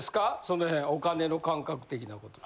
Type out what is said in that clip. その辺お金の感覚的なこと。